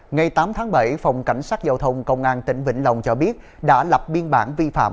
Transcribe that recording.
ngày tám tháng bảy phòng cảnh sát giao thông công an tỉnh vĩnh long cho biết đã lập biên bản vi phạm